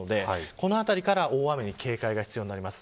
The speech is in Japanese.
このあたりから大雨に警戒が必要です。